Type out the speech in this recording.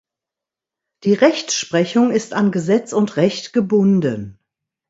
Die Rechtsprechung ist an Gesetz und Recht gebunden.